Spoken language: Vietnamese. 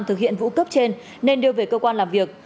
thực hiện vụ cướp trên nên đưa về cơ quan làm việc